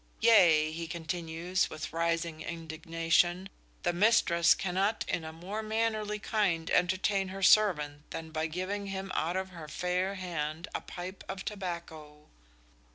"Yea," he continues, with rising indignation, "the mistress cannot in a more mannerly kind entertain her servant than by giving him out of her fair hand a pipe of tobacco."